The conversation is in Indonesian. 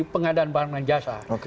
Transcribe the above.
pengadaan barang dan jasa